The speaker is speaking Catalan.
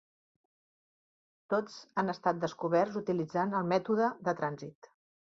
Tots han estat descoberts utilitzant el mètode de trànsit.